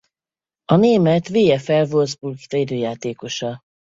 A német VfL Wolfsburg védőjátékosa.